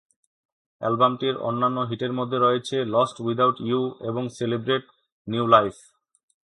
অ্যালবামটির অন্যান্য হিটের মধ্যে রয়েছে "লস্ট উইদাউট ইউ" এবং "সেলিব্রেট নিউ লাইফ"।